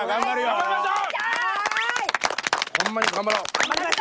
頑張りましょう！